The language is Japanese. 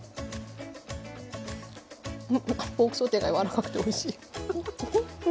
ポークソテーが柔らかくておいしい。